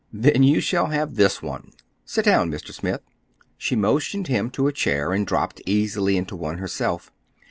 "Then you shall have this one. Sit down, Mr. Smith." She motioned him to a chair, and dropped easily into one herself.